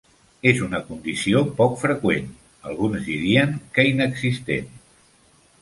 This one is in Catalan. És una condició poc freqüent, alguns dirien que inexistent.